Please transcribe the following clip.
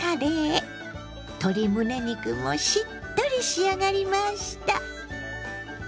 鶏むね肉もしっとり仕上がりました。